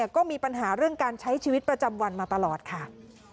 ก็มีปัญหาเรื่องการใช้ชีวิตประจำวันมาตลอดค่ะ